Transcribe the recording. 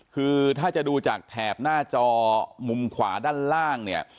คือถ้าจะดูจากแถบหน้าจอมุมขวาด้านล่างเนี่ย